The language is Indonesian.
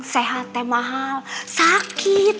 sehatnya mahal sakit